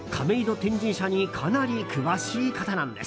天神社にかなり詳しい方なんです。